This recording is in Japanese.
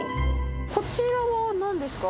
こちらはなんですか？